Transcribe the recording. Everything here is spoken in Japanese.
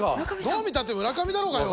どう見たって村上だろうがよ！